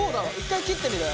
１回切ってみる？